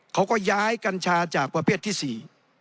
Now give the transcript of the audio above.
เขาก็ย้ายกัญชาจากประเภทที่สี่